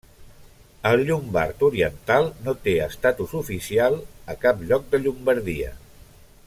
El llombard oriental no té estatus oficial a cap lloc de Llombardia.